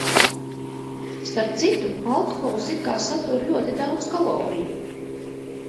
Starp citu, alkohols it kā satur ļoti daudz kaloriju.